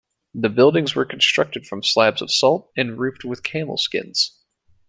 The buildings were constructed from slabs of salt and roofed with camel skins.